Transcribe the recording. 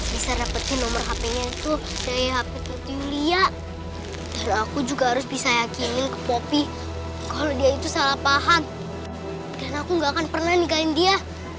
bagaimana akan pernah meninggalkan dia